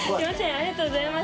ありがとうございます。